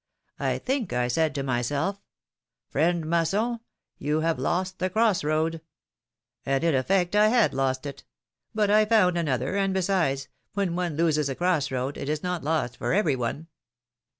I think I said to myself, ^Friend Masson! you have lost the cross road.' And, in effect, I had lost it ! But I found another, and besides, when one loses a cross road, it is not lost for every one."